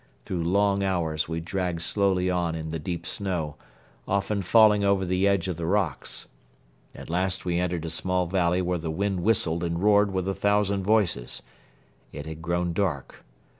Through long hours we dragged slowly on in the deep snow, often falling over the edge of the rocks. At last we entered a small valley where the wind whistled and roared with a thousand voices. It had grown dark.